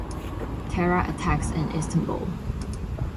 Terror attacks in Istanbul